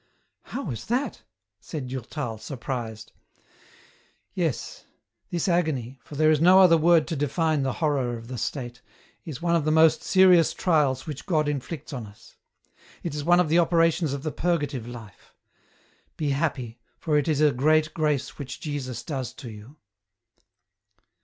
" How is that ?" said Durtal, surprised. " Yes, this agony, for there is no other word to define the horror of the state, is one of the most serious trials which God inflicts on us ; it is one of the operations of the purgative life. Be happy, for it is a great grace which Jesus does to you."